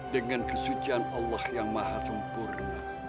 dengan kesucian allah yang maha sempurna